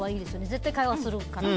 絶対に会話するから。